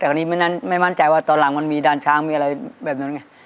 แต่อันนี้ไม่มั่นใจว่าตอนหลังมันมีด่านช้างมีอะไรแบบนั้นไง